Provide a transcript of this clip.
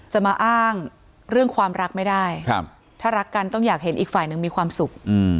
จะมาอ้างเรื่องความรักไม่ได้ถ้ารักกันต้องอยากเห็นอีกฝ่ายหนึ่งมีความสุข